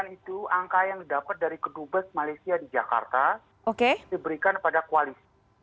satu ratus empat puluh sembilan itu angka yang didapat dari kedubes malaysia di jakarta diberikan pada koalisi